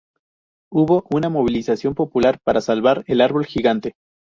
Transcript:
Hubo una movilización popular para salvar el árbol gigante.